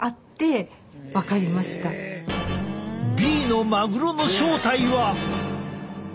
Ｂのマグロの正体は？